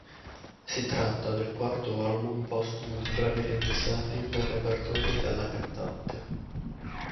Si tratta del quarto album postumo di brani remixati del repertorio della cantante.